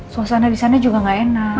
suasana disana juga gak enak